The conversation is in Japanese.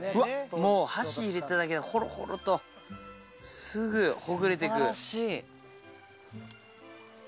箸入れただけでほろほろとすぐほぐれて行く。